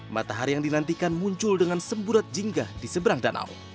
matahari yang dinantikan muncul dengan semburat jingga di seberang danau